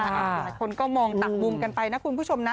หลายคนก็มองต่างมุมกันไปนะคุณผู้ชมนะ